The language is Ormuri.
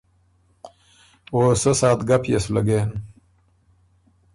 او سۀ ساعت ګپ يې سُو لګېن“